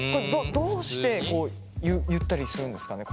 どうしてこう言ったりするんですかね？